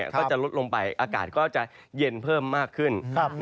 ก็จะลดลงไปอากาศก็จะเย็นเพิ่มมากขึ้น